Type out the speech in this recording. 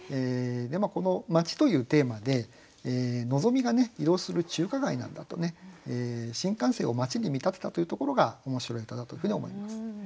この「まち」というテーマでのぞみが移動する中華街なんだと新幹線を街に見立てたというところが面白い歌だというふうに思います。